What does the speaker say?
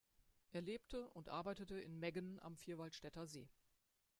Er lebte und arbeitete in Meggen am Vierwaldstättersee.